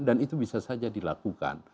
dan itu bisa saja dilakukan